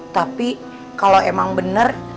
tapi kalau emang bener